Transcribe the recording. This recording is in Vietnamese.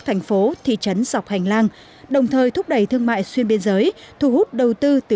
thành phố thị trấn dọc hành lang đồng thời thúc đẩy thương mại xuyên biên giới thu hút đầu tư từ